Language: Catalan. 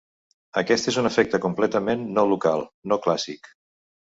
Aquest és un efecte completament no local, no clàssic.